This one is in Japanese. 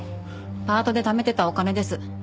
パートで貯めてたお金です。